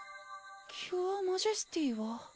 キュアマジェスティは？